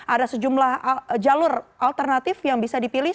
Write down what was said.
ada sejumlah jalur alternatif yang bisa dipilih